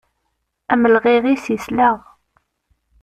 Amelɣiɣ-is yesleɣ.